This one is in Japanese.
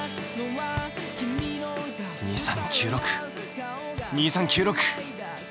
２３９６２３９６。